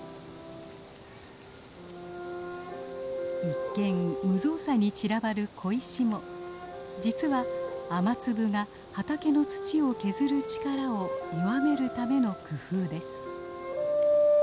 一見無造作に散らばる小石も実は雨粒が畑の土を削る力を弱めるための工夫です。